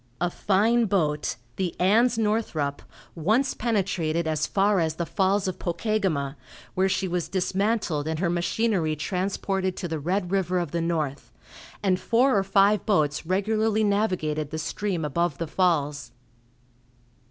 A fine boat, the "Ans. Northrup," once penetrated as far as the Falls of Pokegama, where she was dismantled and her machinery transported to the Red River of the North, and four or five boats regularly navigated the stream above the falls.